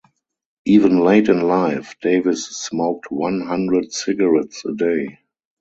Even late in life, Davis smoked one hundred cigarettes a day.